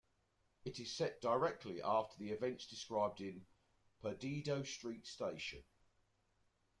It is set directly after the events described in "Perdido Street Station".